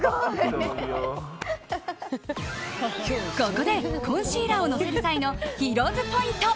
ここでコンシーラーをのせる際のヒロ’ｓポイント。